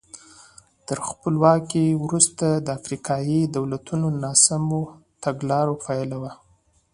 تر خپلواکۍ وروسته د افریقایي دولتونو ناسمو تګلارو پایله وه.